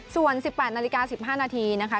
ส่วน๑๘นาฬิกา๑๕นาทีนะคะ